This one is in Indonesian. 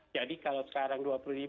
jadi kalau sekarang dua puluh